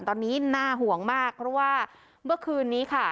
ตอนนี้น่าห่วงมากเพราะว่าเมื่อคืนนี้ค่ะ